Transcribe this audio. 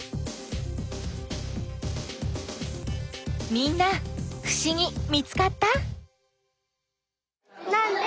みんなふしぎ見つかった？